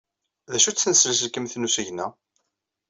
D acu-t tsenselkimt n usigna?